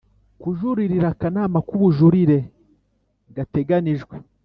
kujuririra Akanama k ubujurire gateganijwe